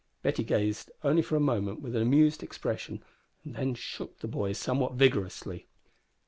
Betty gazed only for a moment with an amused expression, and then shook the boy somewhat vigorously.